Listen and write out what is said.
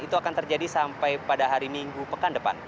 itu akan terjadi sampai pada hari minggu pekan depan